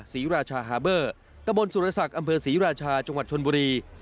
ศรีราชาฮาเบอร์ตะบนสุรศักดิ์อำเภอศรีราชาจังหวัดชนบุรี